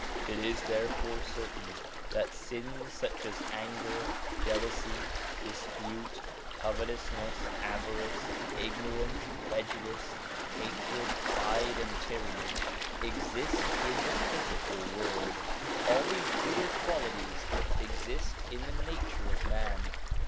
It is therefore certain that sins such as anger, jealousy, dispute, covetousness, avarice, ignorance, prejudice, hatred, pride, and tyranny exist in the physical world. All these brutal qualities exist in the nature of man.